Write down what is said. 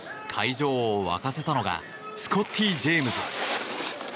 会場を沸かせたのがスコッティ・ジェームズ。